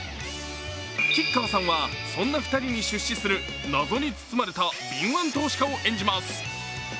吉川さんはそんな２人に出資する謎に包まれた敏腕投資家を演じます。